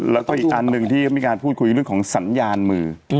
แล้วก็อีกอันหนึ่งที่เขามีการพูดคุยเรื่องของสัญญาณมือ